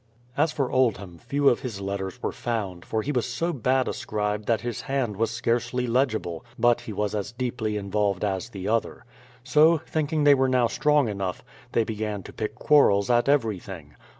As for Oldham, few of his letters were found, for he was so bad a scribe that his hand was scarcely legible ; but he was as deeply involved as the otlier. So, thinking they were now strong enough, they began to pick quarrels at everything.